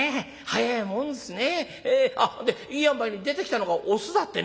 早えもんですね。でいいあんばいに出てきたのがオスだってね」。